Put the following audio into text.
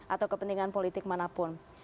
atau kepentingan politik manapun